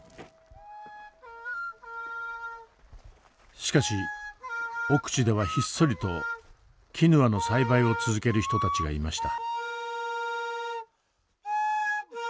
しかし奥地ではひっそりとキヌアの栽培を続ける人たちがいました。